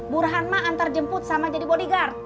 burhan mah antar jemput sama jadi bodyguard